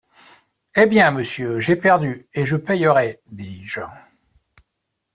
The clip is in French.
Eh bien, monsieur, j'ai perdu et je payerai, dis-je.